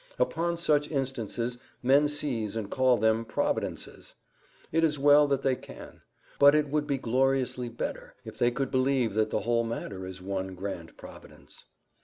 Upon such instances men seize and call them providences. It is well that they can; but it would be gloriously better if they could believe that the whole matter is one grand providence.